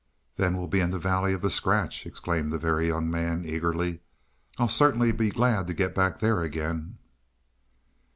"Then we'll be in the valley of the scratch," exclaimed the Very Young Man eagerly. "I'll certainly be glad to get back there again."